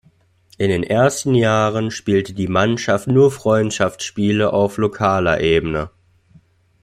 In den ersten Jahren spielte die Mannschaft nur Freundschaftsspiele auf lokaler Ebene.